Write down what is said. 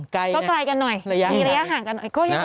ไกลก็ไกลกันหน่อยมีระยะห่างกันหน่อย